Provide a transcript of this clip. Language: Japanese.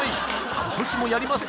今年もやります！